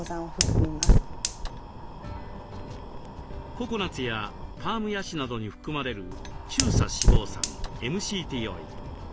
ココナツやパームヤシなどに含まれる中鎖脂肪酸ＭＣＴオイル。